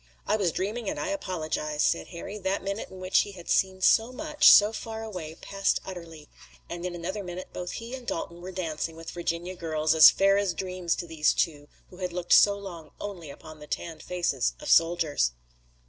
"I was dreaming and I apologize," said Harry. That minute in which he had seen so much, so far away, passed utterly, and in another minute both he and Dalton were dancing with Virginia girls, as fair as dreams to these two, who had looked so long only upon the tanned faces of soldiers.